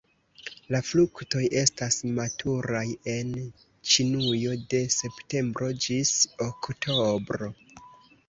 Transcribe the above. La fruktoj estas maturaj en Ĉinujo de septembro ĝis oktobro.